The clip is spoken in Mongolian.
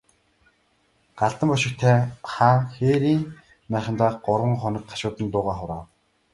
Галдан бошигт хаан хээрийн майхандаа гурван хоног гашуудан дуугаа хураав.